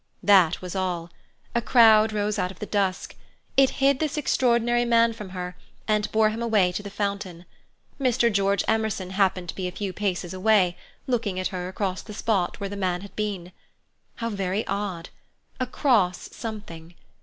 That was all. A crowd rose out of the dusk. It hid this extraordinary man from her, and bore him away to the fountain. Mr. George Emerson happened to be a few paces away, looking at her across the spot where the man had been. How very odd! Across something.